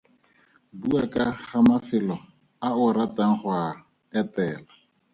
Bua ka ga mafelo a o ratang go a etela.